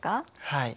はい。